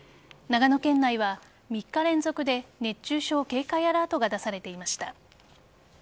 長野県内は３日連続で熱中症警戒アラートが出されていました。